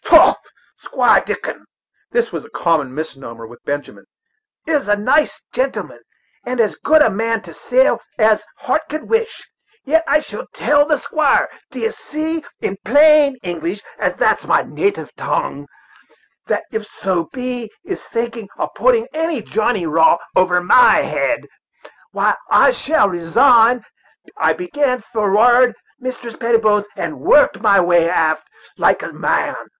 The Squire Dickon" this was a common misnomer with Benjamin "is a nice gentleman, and as good a man to sail with as heart could wish, yet I shall tel the squire, d'ye see, in plain English, and that's my native tongue, that if so be he is thinking of putting any Johnny Raw over my head, why, I shall resign. I began forrard, Mistress Prettybones, and worked my way aft, like a man.